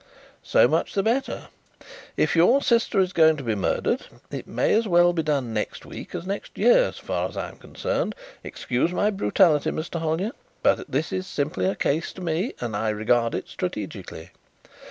"So much the better. If your sister is going to be murdered it may as well be done next week as next year so far as I am concerned. Excuse my brutality, Mr. Hollyer, but this is simply a case to me and I regard it strategically.